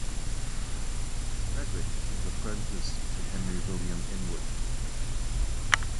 Fredrick was apprenticed to Henry William Inwood.